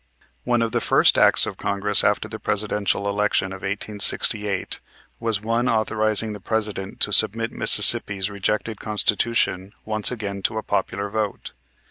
One of the first acts of Congress after the Presidential election of 1868 was one authorizing the President to submit Mississippi's rejected Constitution once again to a popular vote.